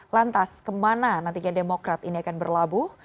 lantas kemana nantinya demokrat ini akan berlabuh